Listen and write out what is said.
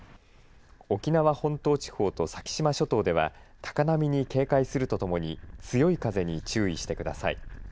沖縄本島地方と先島諸島では高波に警戒するとともに強い風に注意してください。